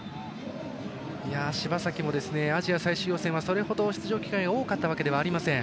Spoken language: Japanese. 柴崎もアジア最終予選はそれほど出場機会が多かったわけではありません。